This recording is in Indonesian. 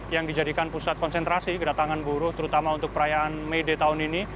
yang dijadikan pusat konsentrasi kedatangan buruh terutama untuk perayaan may day tahun ini